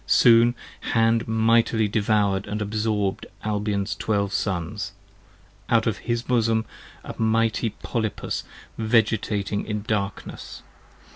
Soon Hand mightily devour'd & absorb'd Albion's Twelve Sons. 40 Out from his bosom a mighty Polypus, vegetating in darkness.